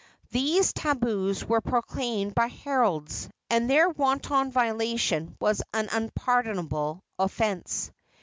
These tabus were proclaimed by heralds, and their wanton violation was an unpardonable offence.